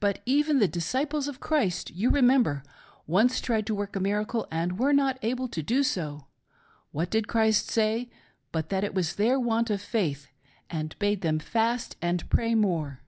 But even the disciples of Christ, you remember, once tried to work a miracle, and were not able to do so. What did Christ say, but that it was their want of faith, and bade them fast and pray more